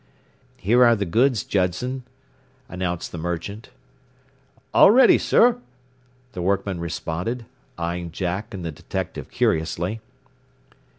"Here are the 'goods,' Judson," announced the merchant. "All ready, sir," the workman responded, eyeing Jack and the detective curiously.